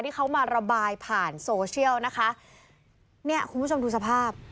ที่เขามาระบายผ่านโซเชียลนะคะเนี่ยคุณผู้ชมดูสภาพ